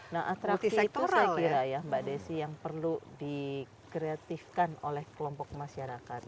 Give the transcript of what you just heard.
nah atraksi itu saya kira ya mbak desi yang perlu dikreatifkan oleh kelompok masyarakat